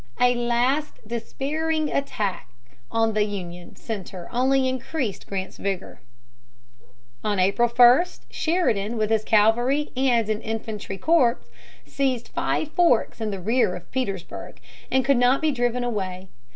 A last despairing attack on the Union center only increased Grant's vigor. On April 1 Sheridan with his cavalry and an infantry corps seized Five Forks in the rear of Petersburg and could not be driven away.